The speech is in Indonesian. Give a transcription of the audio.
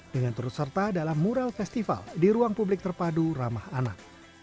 dengan turut serta dalam mural festival di ruang publik terpadu ramah anak